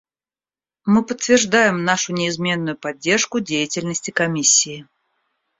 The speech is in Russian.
Мы подтверждаем нашу неизменную поддержку деятельности Комиссии.